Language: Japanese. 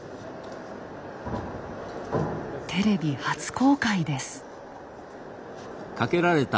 テレビ初公開です。